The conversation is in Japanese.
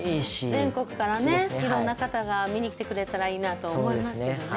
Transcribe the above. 全国からねいろんな方が見に来てくれたらいいなと思いますけどね。